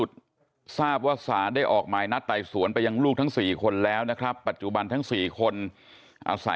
ท่าเลาะกันมานานเท่าไหร่นะ